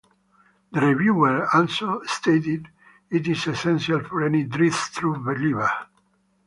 The reviewer also stated it is essential for any "Drizzt true believer".